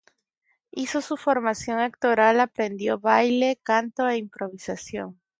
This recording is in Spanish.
Hizo su formación actoral, aprendió baile, canto e Improvisación.